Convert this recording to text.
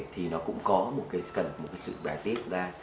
thì nó cũng có một cái sự bài tiết ra